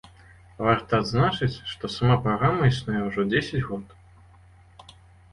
Варта адзначыць, што сама праграма існуе ўжо дзесяць год.